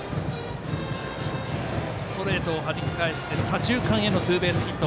ストレートをはじき返して左中間へのツーベースヒット。